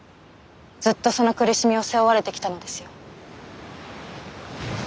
ずっとその苦しみを背負われてきたのですよ。